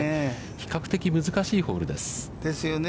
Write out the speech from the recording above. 比較的難しいホールです。ですよね。